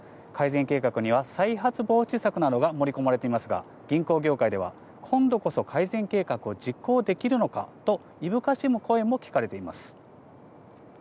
改善計画には再発防止策などが盛り込まれていますが、銀行業界では今度こそ改善計画を実行できるのかといぶかしむ声も聞かれています。